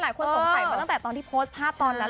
ใช่เป็นเราต้องไปตั้งแต่พูดไข้ตอนนั้น